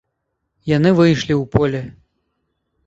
Яны выйшлі ў поле.